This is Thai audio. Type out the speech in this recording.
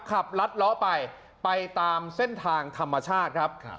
ลัดล้อไปไปตามเส้นทางธรรมชาติครับ